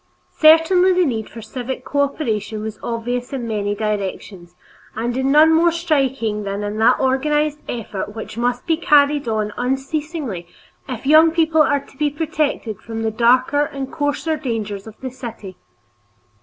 Certainly the need for civic cooperation was obvious in many directions, and in none more strikingly than in that organized effort which must be carried on unceasingly if young people are to be protected from the darker and coarser dangers of the city.